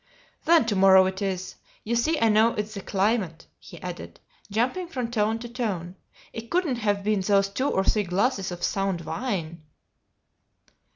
"Then to morrow it is! You see I know it's the climate," he added, jumping from tone to tone; "it couldn't have been those two or three glasses of sound wine."